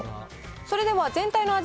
それでは全体の味